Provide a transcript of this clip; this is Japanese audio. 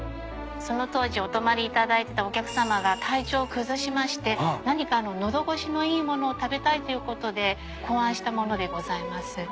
その当時お泊まりいただいてたお客さまが体調を崩しまして何か喉ごしのいい物を食べたいということで考案した物でございます。